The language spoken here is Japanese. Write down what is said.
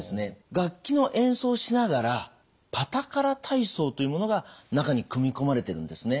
楽器の演奏しながら「パタカラ体操」というものが中に組み込まれてるんですね。